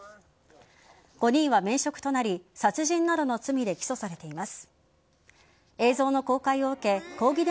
５人は免職となり殺人などの罪で起訴されています。